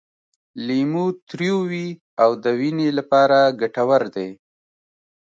لیمو تریو وي او د وینې لپاره ګټور دی.